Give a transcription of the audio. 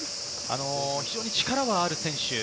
非常に力のある選手。